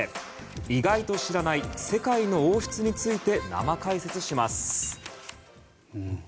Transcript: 意外と知らない世界の王室について生解説します。